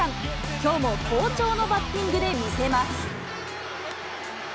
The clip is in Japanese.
きょうも好調のバッティングで見せます。